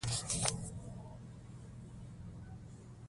ټولنیز عدالت د قانون له لارې ټینګېږي.